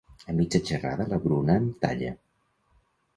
A mitja xerrada la Bruna em talla.